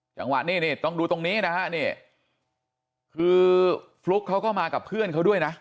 จังหวะนี้นี่ต้องดูตรงนี้นะฮะนี่คือฟลุ๊กเขาก็มากับเพื่อนเขาด้วยนะ